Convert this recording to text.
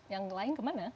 yang lain kemana